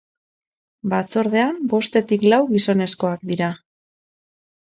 Batzordean bostetik lau gizonezkoak dira.